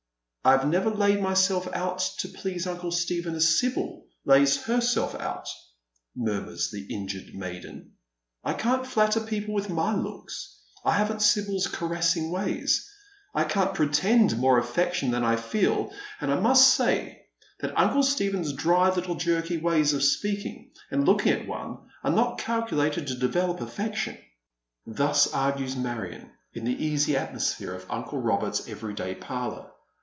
" I have never laid myself out to please uncle Stephen as Sibyl lays herself out," murmurs the injured maiden. " I can't flatter people with my looks. I haven't Sibyl's caressing ways. I can't pretend more affection than I feel ; and I must say that uncle Stephen's dry little jerky ways of speaking and looking atonearo not calculated to develop affection." 60 Dead MeiCs Shoes. Thus argues Manon in the easy atmosphere of nncle Robert'* every day parlour.